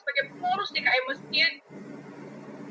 sebagai pengurus dkm masjid